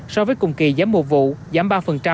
so với cùng kỳ giảm một vụ giảm ba